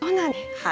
はい。